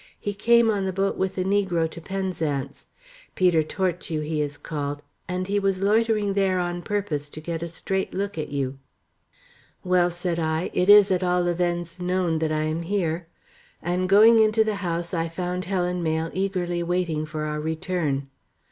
"He came on the boat with the negro to Penzance. Peter Tortue he is called, and he was loitering there on purpose to get a straight look at you." "Well," said I, "it is at all events known that I am here," and going into the house I found Helen Mayle eagerly waiting for our return.